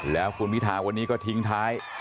แล้วคุณพิทาวันนี้ก็ทิ้งท้าย